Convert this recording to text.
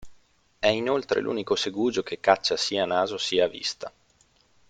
È inoltre l’unico segugio che caccia sia a naso sia a vista.